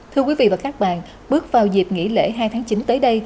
thưa quý vị và các bạn bước vào dịp nghỉ lễ hai tháng chín tới đây